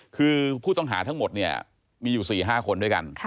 คือผู้ต้องหาทั้งหมดเนี่ยมีอยู่๔๕คนด้วยกัน